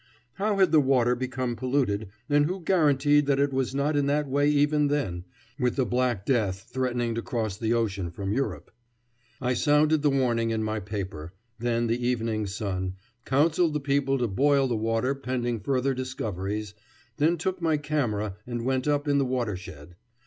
How had the water become polluted, and who guaranteed that it was not in that way even then, with the black death threatening to cross the ocean from Europe? I sounded the warning in my paper, then the Evening Sun, counselled the people to boil the water pending further discoveries, then took my camera and went up in the watershed.